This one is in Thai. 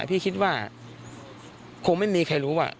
พี่คิดว่าคงไม่มีใครรู้ว่า